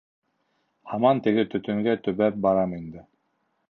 Һаман теге төтөнгә төбәп барам инде.